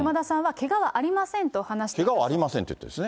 けがはありませんと言ってるんですね。